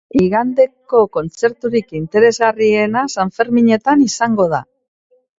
Igandeko kontzerturik interesgarriena sanferminetan izango da.